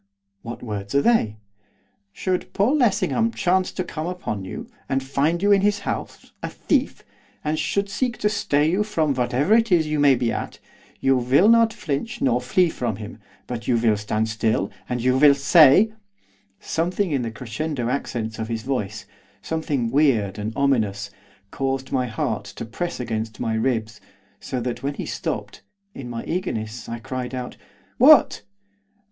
'What words are they?' 'Should Paul Lessingham chance to come upon you, and find you in his house, a thief, and should seek to stay you from whatever it is you may be at, you will not flinch nor flee from him, but you will stand still, and you will say ' Something in the crescendo accents of his voice, something weird and ominous, caused my heart to press against my ribs, so that when he stopped, in my eagerness I cried out, 'What?